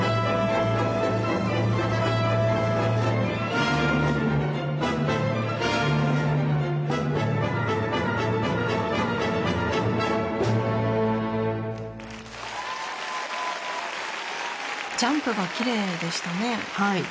次はジャンプがきれいでしたねはい。